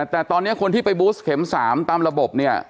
แต่ตอนนี้คนที่ไปบูสเข็ม๓ตามระบบเนี่ย